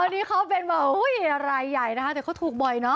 อันนี้เขาเป็นแบบอุ้ยรายใหญ่นะคะแต่เขาถูกบ่อยเนอะ